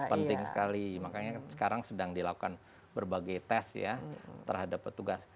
penting sekali makanya sekarang sedang dilakukan berbagai tes ya terhadap petugas